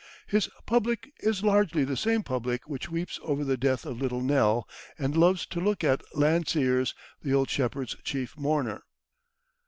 His public is largely the same public which weeps over the death of little Nell and loves to look at Landseer's "The Old Shepherd's Chief Mourner."